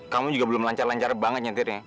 kamu juga belum lancar lancar banget nyentirnya